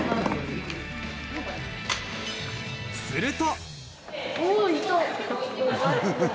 すると。